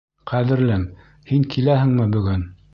Ҡәҙерлем, һин киләһеңме бөгөн?